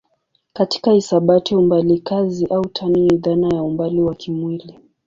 Katika hisabati umbali kazi au tani ni dhana ya umbali wa kimwili.